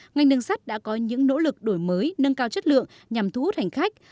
ngành đường sắt đã có những nỗ lực đổi mới nâng cao chất lượng nhằm thu hút hành khách